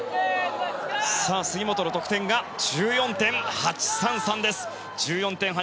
杉本の得点、１４．８３３です。